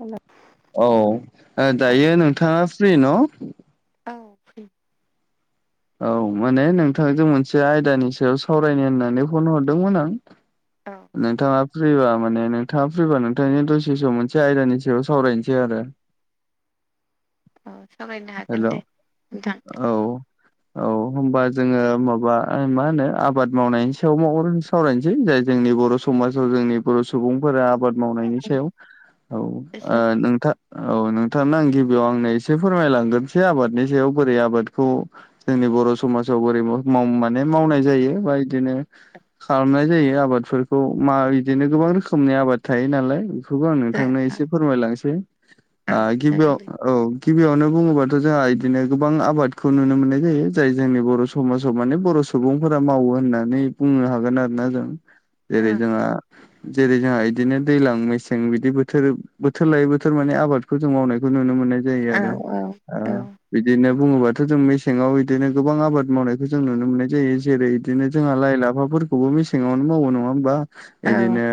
हेल' औ ओ औ दायो नोंथाङा फ्रि न' औ फ्रि औ माने नोंथांजों मोनसे आयदानि सायाव सावरायनो होननानै फन हरदोंमोन आं औ नोंथाङा फ्रिबा माने नोंथाङा फ्रिबा नोंथांनि दसेसम मोनसे आयदानि सायाव सावरायनोसै आरो औ सावरायनो हागोन हेल' दे नोंथां औ औ होमबा जोङो माबा मा होनो आबाद मावनायनि सायाव मख'ग्रोनोसै सावरायनोसै जाय जोंनि बर' समाजाव जोंनि बर' सुबुंफोरा आबाद मावनायनि सायाव औ ओ नोंथां औ नोंथांनो आं गिबियाव आंनो एसे फोरमायलांग्रोनोसै आबादनि सायाव बोरै आबादखौ जोंनि बर' समाजाव बोरै माव माने मावनाय जायो बा इदिनो खालामनाय जायो आबादफोरखौ मा इदिनो गोबां रोखोमनि आबाद थायो नालाय बेखौबो आं नोंथांनो एसे फोरमायलांनोसै औ ओ जागोन गिबियाव दे औ गिबियावनो बुङोबा जोंहा बिदिनो गोबां आबादखौ नुनो मोननाय जायो जाय जोंनि बर' समाव माने बर' सुबुंफोरा मावो होननानै बुंनो हागोन आरोना जों औ जेरै जोंङा जेरै जोंङा इदिनो दैज्लां मेसें बिदि बोथोर बोथोर लायै बोथोर माने आबाद खौ जों मावनायखौ नुनो मोननाय जायो औ आरो औ ओ औ बिदिनो बुङोबाथ' जों मेसेङाव इदिनो गोबां आबाद मावनायखौ जों नुनो मोननाय जायो जेरै बिदिनो जोंहा लाइ लाफाफोरखौबो मेसेङावनो मावो नङा होमबा औ इदिनो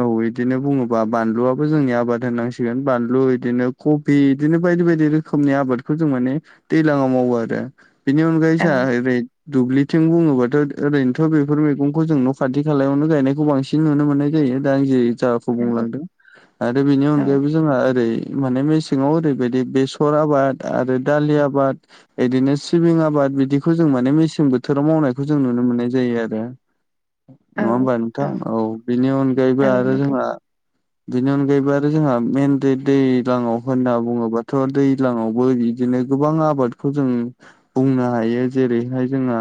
ओ औ गदिनो बुङोबा बानलुआबो जोंनि आबाद होननांसिगोन बानलु इदिनो कपि बिदिनो बायदि बायदि रो खोमनि आबादखौ जों माने दैज्लाङाव मावो आरो बेनि अनगायै औ जोंहा ओरै दुब्लिथिं बुङोबाथ' ओरैनोथ' बेफोर मैगंखौ जों न' खाथि खालायावनो गायनायखौ बांसि न नुनो मोननाय जायो दा जि जा खौ बुंलांदों आरो बेनि औ अनायैबो जोंहा एरै माने मेसेङाव ओरैबादि बे सर आबाद आरो दालि आबाद बिदिनो सिबिं आबाद बिदिखौ जों माने मेसें बोथोराव मावनायखौ जों नुनो मोननाय जायो आरो औ नङा ओमबा नंगौ नोंथां औ बेनि औ अनगायैबो आरो मोनो जोंहा बेनि अनगायैबो आरो जोंहा मेन दै दैलाङाव होनना बुङोबाथ' दै ज्लाङावबो बिदिनो गोबां आबादखौ जों बुंनो हायो जेरैहाय जोंहा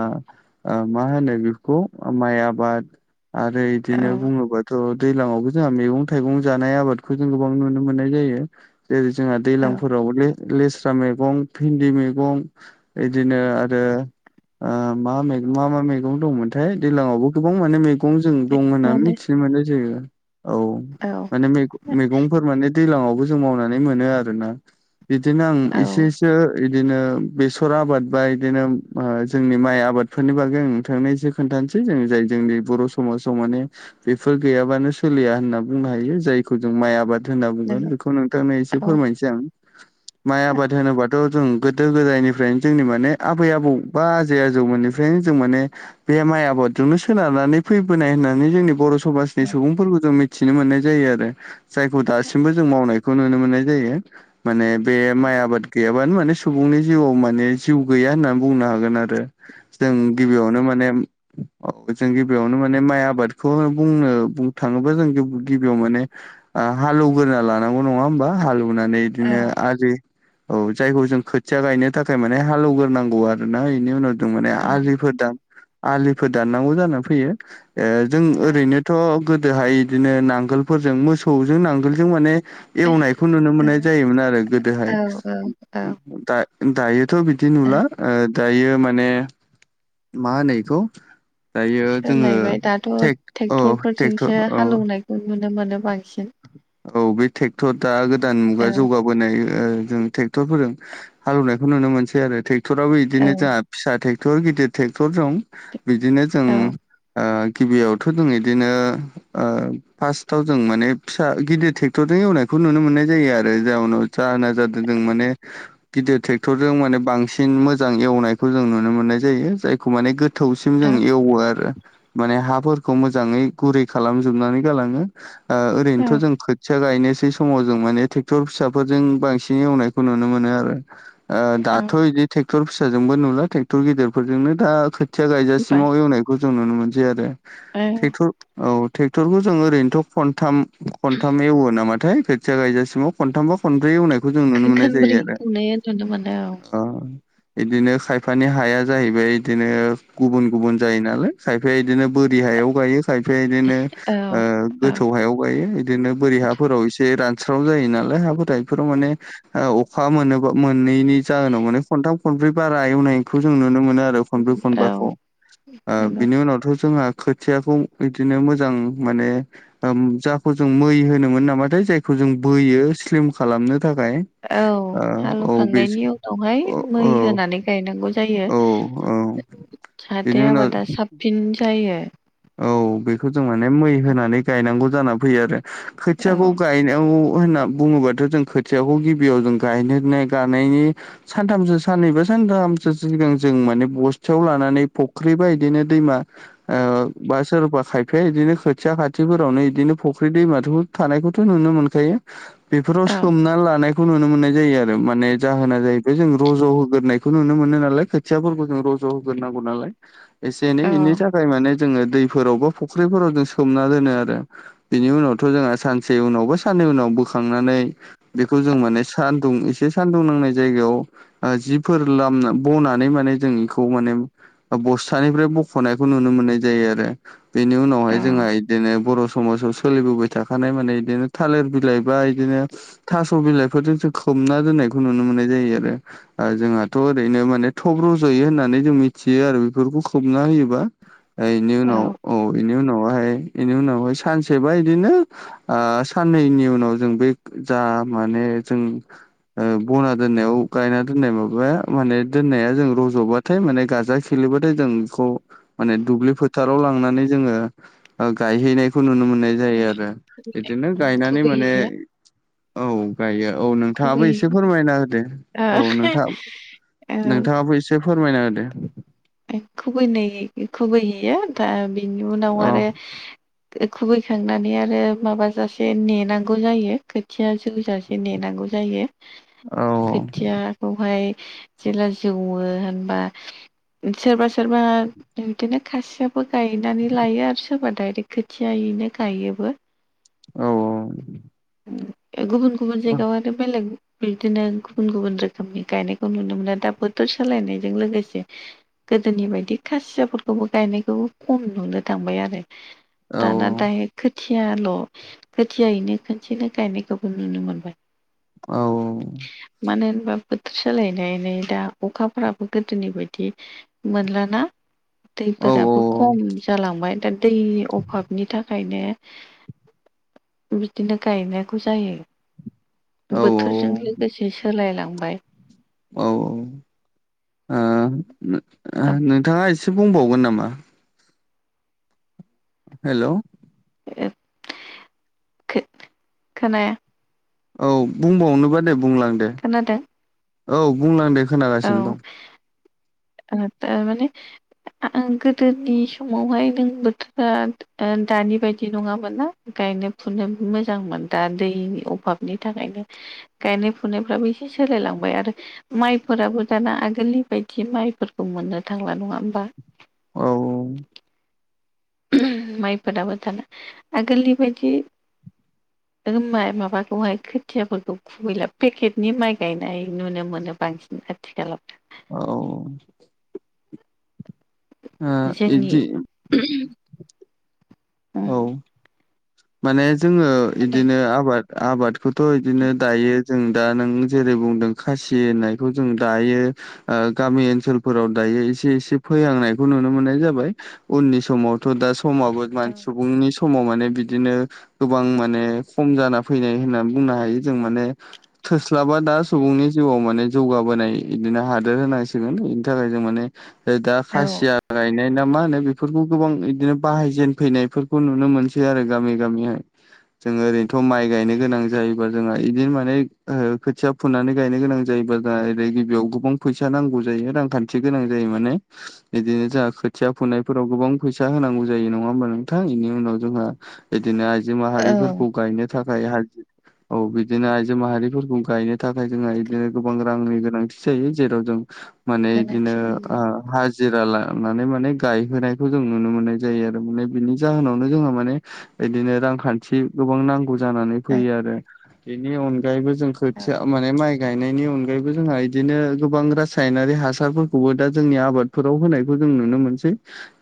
ओ मा होनो बेखौ माइ आबाद आरो इदिनो बुङोबाथ' दैज्लाङावबो जोंहा मैगं थाइगं जानाय आबादखौ जों गोबां नुनो मोननाय जायो। जेरै जोंहा दैलांफोराव हले लेस्रा मैगं भिन्दि मैगं इदिनो आरो ओ मा मै मा मा मैगं दंमोनथाय दैलाङावबो गोबां माने मै गं जों दं होननानै मिथिनो मोननाय जायो औ औ माने मैगं मैगंफोर माने दैलाङावबो जों मावनानै मोनो आरोना बिदिनो आं औ एसे एसे इदिनो इदिनो बेसर आबाद बा इदिनो ओ जोंनि माइ आबादफोरनि बागै आं नोंथांनो एसे खोन्थानोसै जों जाय जोंनि बर' समाजाव माने बेफोर गैयाबानो सोलिया होनना बुंनो हायो जायखौ जों माइ आबाद होनना बुंगोन नंगौ बेखौ नोंथांनो एसे औ फोरमायनोसै आं माइ आबाद होनोबाथ' जों गोदो गोदायनिफ्रायनो जोंनि माने आबै आबौ बा आजै आजौ मोननि नो जों माने बे माइ आबादजोंनो सोनारनानै फैबोनाय होननानै जोंनि बर' समाजनि सुबुंफोरखौथ' मि थिनो मोननाय जायो आरो जायखौ दासिमबो जों मावनायखौ नुनो मोननाय जायो। माने बे माइ आबाद गैयाबानो माने सुबुंनि जिउआव माने जिउ गैया होननानै बुंनो हागोन आरो जों गिबियावनो माने जों गिबियावनो माने माइ आबादखौ बुंनो बुंनो थाङोबा जों गिबियाव माने हालेवगोरा लानांगौ नङा होमबा हालौवनानै बिदिनो आलि औ जायखौ जों खोथिया गायनो थाखाय माने हाले एवग्रोनांगौ आरो ना बेनि उनाव जों माने औ आजि आलिफोर दाननांगौ जानानै फैयो ओ जों ओरैनो थ' गोदोहाय बिदिनो नांगोलफोरजों मोसौजों नांगोलजों माने एवनायखौ नुनो मोननाय मोन आरोहाय गोदोहाय औ दा दायोथ' बिदि दा नुला दायो माने मा होनो इखौ दायो जोङो सोलायबाय दाथ' टेक औ ट्रेक्टरफोरजोंसो ट्रेक्टर औ हालेवनायखौ नुनो मोनो बांसिन औ बे ट्रेक्टर दा गोदान मुगा औ जौगाब होनाय जों ट्रेक्टरफोरजों हालेवनायखौ नुनो मोनसै आरो ट्रेक्टराबबो औ बिदिनो जों फिसा ट्रेक्टर गिदिर ट्रेक्टर द बिदिनो जों औ ओ गिबियावथ' जों इदिनो फार्स्ट थावजों माने फिसा गिदिर ट्रेक्टरजों एवनायखौ नुनो मोननाय जायो आरो जाउनाव जाहोना जादों जों माने गिदिर ट्रेक्टरजों माने बांसिन मोजां एवनायखौ जों नुनो मोननाय जायो जायखौ माने गोद थौसिम औ जों एवो आरो माने हाफोरखौ मोजाङै गुरै खालामजोबनानै गालाङो। ओरैनोथ' जों खोथि फिसा गायनोसै समाव जों माने ट्रेक्टर फिसाफोरजों बांसिन एवनायखौ नुनो मोनो आरो औ दाथ' बिदि ट्रेक्टर फिसाजोंबो नुला ट्रेक्टर गिदेरफोरजोंनो दा खोथिया होनबाय गायजासिमाव एवनाय खो जों नुनो मोनसै आरो औ टेकटर औ ट्रेक्ट'रखौ जों ओरैनोथ' खनथाम खनथाम एवो नामाथाय खोथिया गायजासिमाव खनथामबा खनब्रै एवनाय खैखोमब्रै संनाया नुनो मोनो। अ इदिनो खायफानि हाया जाहैबाय बिदिनो गुबुन गुबुन जायो नालाय। खायफाया बिदिनो बोरि हायाव गायो खायफाया औ औ बिदिनो हायाव गायो बिदिनो बोरि हाफोराव एसे रानस्राव जायो नालाय हाफोरथाय बेफोराव माने अखा मोना मोननैनि जाहोनाव माने खनथाम खनब्रै बारा एवनायखौ जों नुनो मोनो आरो खनब्रै औ खनबाखौ ओ नंगौ बिनि उनावथ' जोङो खोथियाखौ बिदिनो मोजां माने जाखौ जों मै होनोमोन नामाथाय जायखौ जों बोयो स्लिम खालामनो थाखाय औ ओ औ बे हालेवखांनायनि उनावहाय औ मै औ होनानै गायनांगौ जायो औ औ बेनि जाहाथथाय उनाव आबादा साबसिन जायो। औ बेखौ जों माने मै होनानै गायनांगौ जानानै फैयो आरो औ खोथियाखौ गायनांगौ होनना बुङोबाथ' जों खोथियाखौ गिबियाव जों गायनो गानायनि सानथामसो साननैबा सानथामसो सिगां जों माने बस्थायाव लानानै फुख्रि बा बिदिनो दैमा ओ बा सोरबा खायफाया बिदिनो खोथिया खाथिफोरावनो इदिनो फुख्रि दैमाथ' थानायखौथ' नुनो मोनखायो। बेफोराव औ सोमनानै लानाय खौ नुनो मोननाय जायो आरो माने जाहोना जाहैबाय जों रज' होग्रायनायखौ नुनो मोनो नालाय ख खोथियाफोरखौ जों रज' होग्रोनांगौ नालाय एसे एनै औ बेनि थाखाय माने जोङो दैफोराव बा फुख्रिफोराव जों सोमना दोनो आरो बिनि उनावथ' जोंहा सानसे उनाव बा साननै उनाव बोखांनानै बेखौ जों माने सानदुं एसे सानदुं नांनाय जायगायाव जिफोर लाम बनानै माने जों इखौ माने बस्थानिफ्राय बख'नायखौ नुनो मोननाय जायो आरो बेनि उनावहाय जोंहा औ बिदिनो बर' समाजाव सोलिबोबाय थाखानाय माने बिदिनो थालिर बिलाइ बा बिदिनो थास' बिलाइफोरजोंसो खोमना दोननायखौ नुनो मोननाय जायो आरो जोंहाथ' ओरैनो माने थब रज'यो होननानै जों मिथियो आरो बेफोरखौ खोबना होयोबा बेनि उनाव औ बेनि उनावहाय बेनि उनावहाय सानसेबा बिदिनो ओ साननैनि उनाव जों बे जा माने जों ओ बना दोननायाव गायना दोननाय माबाया माने दोननाया जों रज'बा थाय माने गाजा खेलिेबाथाय जों बेखौ माने दुब्लि फोथाराव लांनानै जोङो गायहैनायखौ नुनो मोननाय जायो आरो बिदिनो गायनानै माने खुबैहैयो औ गायो औ नोंथाङाबो एसे खुबैहैयो फोरमायना होदो ओ औ नोंथाङ नोंथाङाबो एसे फोरमायना हो दे। खुबैयनाय खुबैयैया दा बिनि उनाव अ आरो खुबैखांनानै आरो माबाजासे नेनांगौ जायो खोथिया जोजासे नेनांगौ जायो। औ खोथियाखौहाय जेला जौवो होनबा सोरबा सोरबा बिदिनो खासियाबो गायनानै लायो आरो सोरबा दाइरेक्ट खोथियायैनो गायोबो औ गुबुन गुबुन औ जायगायाव आरो बेलेग बिदिनो गुबुन गुबुन रोखोमनि गायनायखौ नुनो मोनो दा बोथोर सालायनायजों लोगोसे गोदोनि बायदि खासियाफोरखौबो गायनायखौबो खम नुनो थांबाय आरो औ दााना दा ए खो थियाल' खोथियायैनो खनसेनो गायनायखौबो नुनो मोनबाय। औ मानो होनबा बोथोर सोलायनानै दा अखाफोराबो गोदोनि बायदि बिदि मोनलाना दैफोराबो खम जालांबाय दा दै अभाबनि थाखाय ओंखायनो बिदिनो गायनांगौ जायो। बोथोरजों लोगोसे सोलायलांबाय। औ-औ ओ नोंथाङा एसे बुंबावगोन नामा? हेल' खोनाया? औ बुंबावनोबा दे बुंलां दे? खोनादों? औ बुंलांदे औ थारमाने आं गोदोनि समावहाय नों बोथोरा ओ दानि बायदि नङामोन ना गायनो फुनो मोजांमोन दा दैनि अभाबनि थाखायनो गायनाय फुनायफ्राबो एसे सोलायलांबाय आरो माइ फोरफोराबो दाना आगोलनि बायदि माइफोरखौ मोननो थांला नङा होमबा? औ-औ माइफोराबो दान आगोलनि बायदि माइ माबाखौहाय खोथियाफोरखौ गैला पेकेटनि माइ गायनाय नुनो मोनो बांसिन आथिखालाव' औ जोंनि बिदि उम औ माने जोङो इदिनो आबाद आबादखौथ' बिदिनो दायो जों दा नों जेरै बुंदों खासि होननायखौ जों दायो गामि ओनसोलफोराव दायो एसे एसे फैहांनायखौ नुनो मोननाय जाबाय उननि समाव थ' दा समावबो म औ सुबुंनि समाव माने बि बिदिनो गोबां माने खम जाना फैनाय होननानै बुंनो हायो जों माने थोस्लाबा दा सुबुंनि जिउआव माने जौगाबोनाय बिदिनो हादोर होनांसिगोन बेनि थाखाय जों माने दा औ खासिया गायनाय ना मा होनो बेफोरखौ गोबां बिदिनो बाहायजेनफैनायफोरखौ नुनो मोनसै आरो। गामि गामिहाय जोङो ओरैनोथ' माइ गायनो गोनां जायोबा जोंहा इदिनो माने खोथिया फुनानै गायनो गोनां जायोब्ला दा ओरै गिबियाव गोबां फैसा नांगौ जायो रांखान्थि गोनां जायो माने बिदिनो जोंहा खोथिया फुनायफोराव गोबां फैसा होनांगौ जायो नङा होमबा नोंथां बेनि उनाव जोंहा बिदिनो आइजो औ माहारिफोरखौ गायनो थाखाय हाजो औ बिदिनो आइजो माहारिफोरखौ गायनो थाखाय जोंहा बिदिनो गोबां रांनि गोनांथि जायो जेराव जों माने बिदिनो गोनांथि ओ जिरा लानानै माने गायहोनायखौ जों नुनो मोननाय जायो आरो माने बिनि जाहोनावनो जोंहा माने बिदिनो रांखान्थि गोबां नांगौ जानानै फैयो आरो बेनि अनगायैबो जों औ खोथिया माने माय गायनायनि अनगायैबो जोंहा बिदिनो गोबां रासायनारि हासारफोरखौबो दा जोंनि आबाद फोराव होनायखौ जों नुनो मोनसै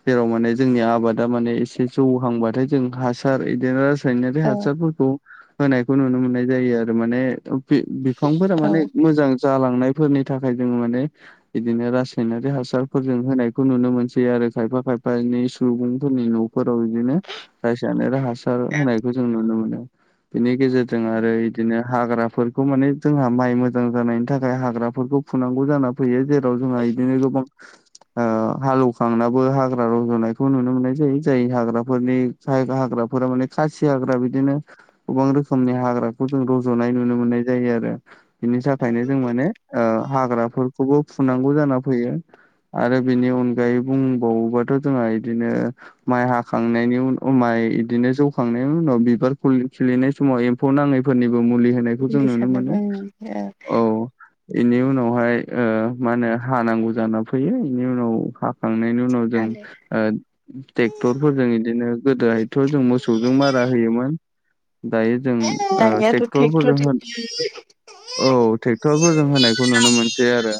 जेराव माने जोंनि आबादा माने एसे जौहांबाथाय जों हासार बिदिनो रासायनारि औ हासारफोरखौ होनायखौ नुनो मोननाय जायो आरो माने बे बिफांफोरा औ माने मोजां जालांनायफोरनि थाखाय जोङो माने बिदिनो रासायनारि हासारफोरजों होनायखौ नुनो मोनसै आरो खायफा खायफानि सुबुंफोरनि न' फोरदिनो जायसयानो र हासार होनायखौ जों नुनो मोनो बिनि गेजेरजों आरो बिदिनो हाग्राफोरखौ माने जोंहा माइ मोजां जानायनि थाखाय हाग्राफोरखौ फुनांगौ जाना फैयो जेराव जोंहा यिनो गोबां ओ हालौखांनाबो हाग्रा रज'नायखौ नुनो मोननाय जायो जाय हाग्राफोरनि जायगा हाग्राफोरा माने खासि हाग्रा बिदिनो गोबां रोखोमनि हाग्राखौ जों रज'नाय नुनो मोननाय जायो आरो बिनि थाखायनो मुलि जों माने ओ हाग्राफोरखौबो फुनांगौ जाना फैयो आरो बेनि अनगायै बुंबावोबाथ' जोंहा बिदिनो माइ हाखांनायनि उन अमाय बिदिनो जौखांनायनि उनाव बिबार खिलिनाय समाव एम्फौ नाङैफोरनिबो मुलि होन जों नुनो मोनो सारनां औ बेनि उनावहाय मा होनो हानांगौ जाना फैयो बेनि उनाव खांनायनि उनाव जों ट्रेक्टरफोरजों बिदिनो गोदोहायथ' जों मोसौजों मारा होयोमोन दायो जों ओं दानियाथ' ट्रेक्टर ट्रेक्टरजों होगमोन औ ट्रेक्टरफोरजों होनायखौ नुनो मोनसै आरो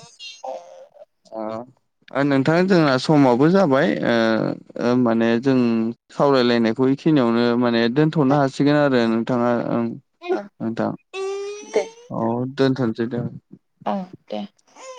नोंथां जोंना समावबो जाबाय माने जों सावरायलायनायखौ बेखिनियावनो माने दोनथ'नो हासिगोन आरो नोंथाङा ओं नोंथां [inaudible] दे औ दोनथ'नोसै दे औ दे!